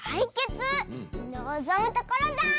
のぞむところだ！